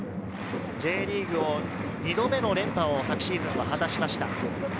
Ｊリーグを２度目の連覇を昨シーズン果たしました。